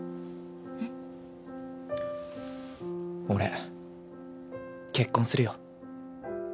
俺結婚するよ。